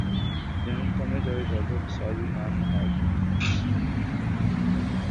general Qamar Javed Bajwa کے ساتھ بھی نام نہاد